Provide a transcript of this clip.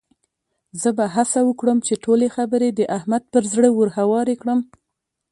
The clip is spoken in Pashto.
زه به هڅه وکړم چې ټولې خبرې د احمد پر زړه ورهوارې کړم.